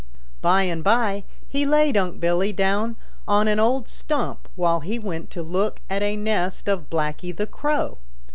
By and by he laid Unc' Billy down on an old stump while he went to look at a nest of Blacky the Crow.